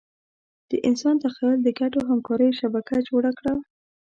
د انسان تخیل د ګډو همکاریو شبکه جوړه کړه.